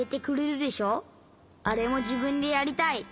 あれもじぶんでやりたい。